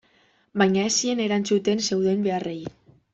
Baina ez zien erantzuten zeuden beharrei.